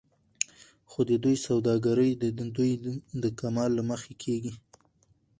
خو د دوى سوداګري د دوى د کمال له مخې کېږي